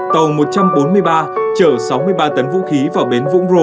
tàu một trăm bốn mươi ba chở sáu mươi ba tấn vũ khí vào bến vũng rô